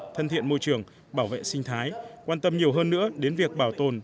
thân thiện môi trường bảo vệ sinh thái quan tâm nhiều hơn nữa đến việc bảo tồn